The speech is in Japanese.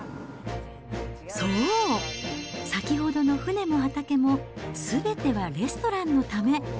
そう、先ほどの船も畑も、すべてはレストランのため。